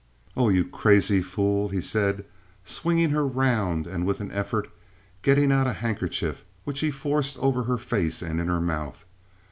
"Oh, you crazy fool!" he said, swinging her round, and with an effort getting out a handkerchief, which he forced over her face and in her mouth.